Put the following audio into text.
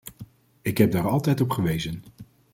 Ik heb daar altijd op gewezen.